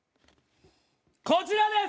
こちらです！